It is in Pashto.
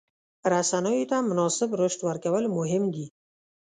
رسنیو ته مناسب رشد ورکول مهم دي.